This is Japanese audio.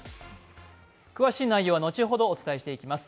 詳しい内容は後ほどお伝えしていきます。